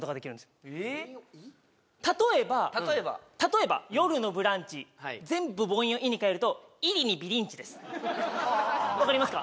例えば例えば「よるのブランチ」全部母音を「い」にかえるとわかりますか？